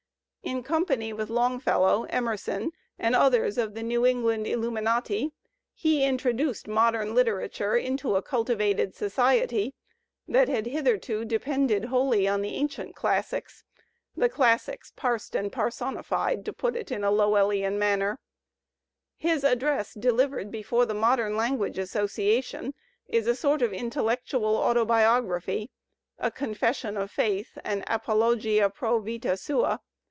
In company with Longfellow, Emerson, and others of the New England Illumi Digitized by Google 202 THE SPIRIT OF AMERICAN LITERATURE natiy he introduced modem literature into a cultivated society that had hitherto depended wholly on the ancient classics — the classics parsed and parsonified, to put it r/ in a LoweUian manner. His address delivered before the Modem Language Association is a sort of intellectual auto biography, a confession of faith and apologia pro vita sua.